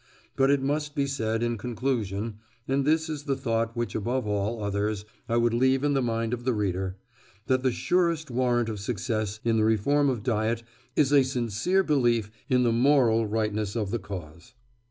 But it must be said in conclusion—and this is the thought which, above all others, I would leave in the mind of the reader—that the surest warrant of success in the reform of diet is a sincere belief in the moral rightness of the cause.